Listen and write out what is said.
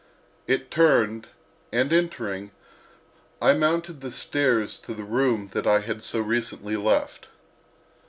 It turned and, entering, I mounted the stairs to the room that I had so recently left.